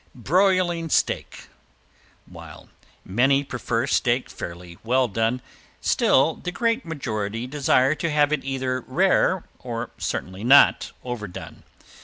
~BROILING STEAK~ While many prefer steak fairly well done, still the great majority desire to have it either rare, or certainly not overdone.